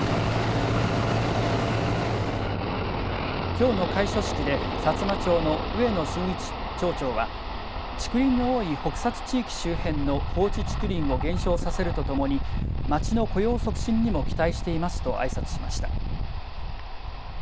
きょうの開所式でさつま町の上野俊市町長は竹林の多い北薩地域周辺の放置竹林を減少させるとともに町の雇用促進にも期待していますと、あいさつしました。